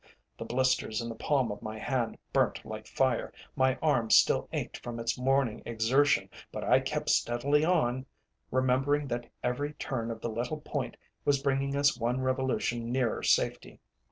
The blisters in the palm of my hand burnt like fire, my arm still ached from its morning exertion, but I kept steadily on, remembering that every turn of the little point was bringing us one revolution nearer safety.